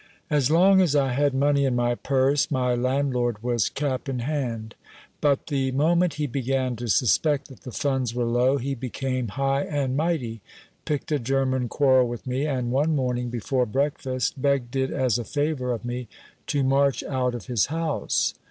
As long as I had money in my purse, my landlord was cap in hand ; but the moment he began to suspect that the funds were low, he became high and mighty, picked a German quarrel with me, and one morning, before breakfast, begged it as a favour of me to march out of his house.